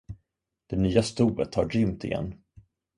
Det nya stoet har rymt igen.